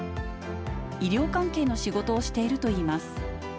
医療関係の仕事をしているといいます。